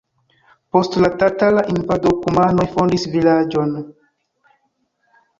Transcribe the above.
Post la tatara invado kumanoj fondis vilaĝon.